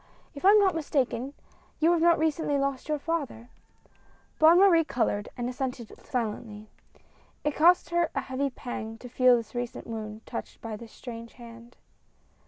If I am not mistaken you have recently lost your father ?" Bonne Marie colored and assented silently. It cost her a heavy pang to feel this recent wound touched by this strange hand.